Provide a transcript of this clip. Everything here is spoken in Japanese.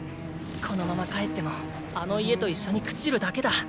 このまま帰ってもあの家と一緒に朽ちるだけだ。